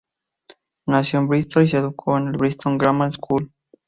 Nació en Bristol y se educó en en Bristol Grammar School.